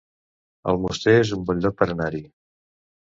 Almoster es un bon lloc per anar-hi